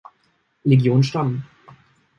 Legion stammen.